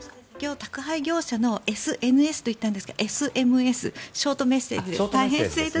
宅配業者のＳＮＳと言ったんですがＳＭＳショートメッセージです。